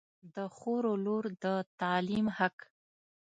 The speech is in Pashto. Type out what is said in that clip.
د خور و لور د تعلیم حق